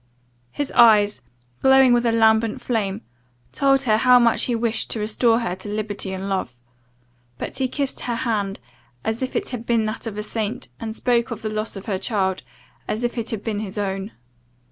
His eyes, glowing with a lambent flame, told her how much he wished to restore her to liberty and love; but he kissed her hand, as if it had been that of a saint; and spoke of the loss of her child, as if it had been his own.